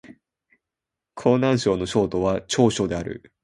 湖南省の省都は長沙である